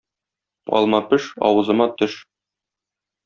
Алма пеш, авызыма төш.